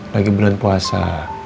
lagi bulan puasa